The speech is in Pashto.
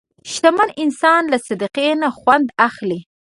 شتمن انسان له صدقې نه خوند اخلي.